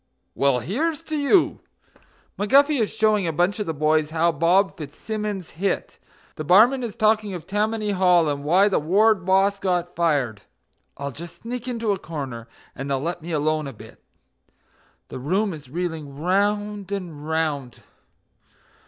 Well, here's to you!" McGuffy is showing a bunch of the boys how Bob Fitzsimmons hit; The barman is talking of Tammany Hall, and why the ward boss got fired. I'll just sneak into a corner and they'll let me alone a bit; The room is reeling round and round...